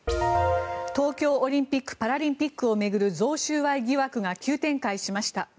東京オリンピック・パラリンピックを巡る贈収賄疑惑が急展開しました。